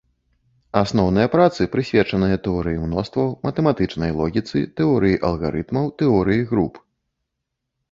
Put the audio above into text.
Асноўныя працы прысвечаныя тэорыі мностваў, матэматычнай логіцы, тэорыі алгарытмаў, тэорыі груп.